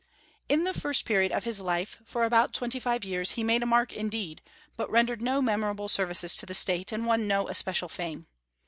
In the first period of his life, for about twenty five years, he made a mark indeed, but rendered no memorable services to the State and won no especial fame.